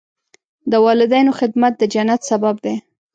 د والدینو خدمت د جنت سبب دی.